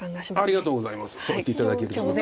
ありがとうございます。